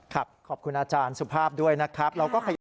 ขอบคุณอาจารย์สุภาพด้วยนะครับ